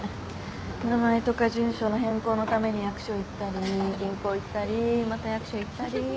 名前とか住所の変更のために役所行ったり銀行行ったりまた役所行ったり。